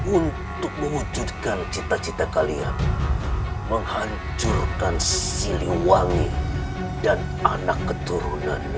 untuk mewujudkan cita cita kalian menghancurkan siliwangi dan anak keturunannya hahaha hahaha